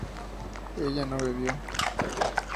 ella no bebió